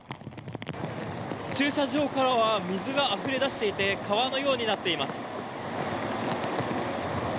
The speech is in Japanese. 駐車場からは水があふれ出していて川のようになっています。